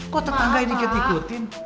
kok tetangga ini ketikutin